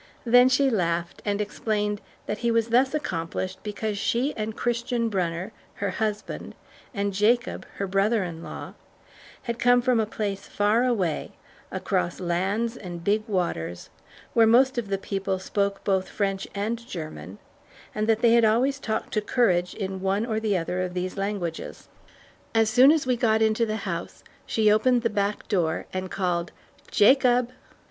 Then she laughed, and explained that he was thus accomplished because she and Christian Brunner, her husband, and Jacob, her brother in law, had come from a place far away across lands and big waters where most of the people spoke both French and German and that they had always talked to Courage in one or the other of these languages. As soon as we got into the house she opened the back door and called "Jacob!"